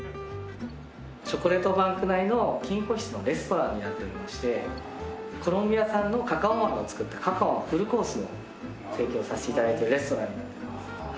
チョコレートバンク内の金庫室のレストランになっておりましてコロンビア産のカカオ豆を使ったカカオのフルコースを提供させて頂いているレストランになってます。